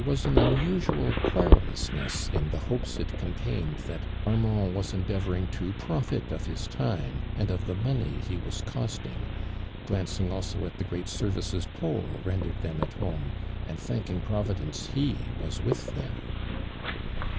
fing Ithe 10 a go Ion, Ited fest let its line 1 an unusual q^aemloasness in the ho))es it con tained that Armand was endeavoring to profit of his time and of the money he was costing, glancing also at the great services Paul rendered them at home and thanking Providence he was >vith them.